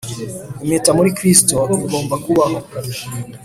impeta muri kristo igomba kubaho.